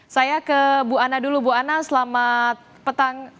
saya ke bu ana dulu bu ana selamat petang